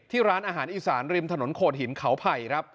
ร้านอาหารอีสานริมถนนโขดหินเขาไผ่ครับ